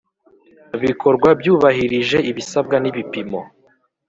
bikorwa byubahirije ibisabwa n ibipimo